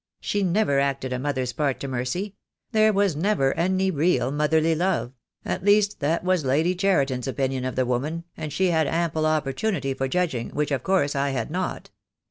She never acted a mother's part to Mercy — there was never any real motherly love — at least that was Lady Cheriton's opinion of the woman, and she had ample opportunity for judging, which, of course, I had not.